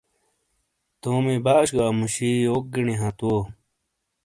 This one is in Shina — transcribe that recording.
تومی باش گہ امُوشی یوک گِینی ہانت وو؟